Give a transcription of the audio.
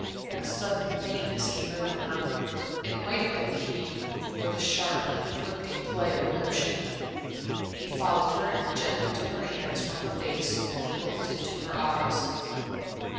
A sudden faintness came over her; it might have been the heat, or the sharp, conflicting play of emotion. He followed her and gently took her hands from her face and looked into her eyes.